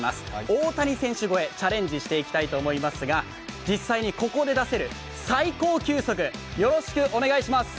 大谷選手越え、チャレンジしていきたいと思いますが、実際にここで出せる最高球速よろしくお願いします。